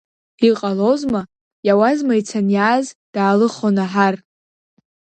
Иҟалозма, иауазма ицан иааз даалыхо Наҳар!